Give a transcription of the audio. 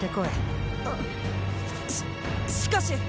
ししかし。